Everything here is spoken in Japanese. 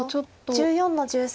白１４の十三。